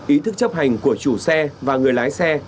ý thức chấp hành của chủ xe và người lái xe